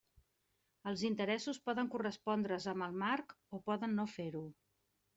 Els interessos poden correspondre's amb el marc o poden no fer-ho.